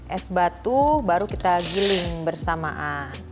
es batu baru kita giling bersamaan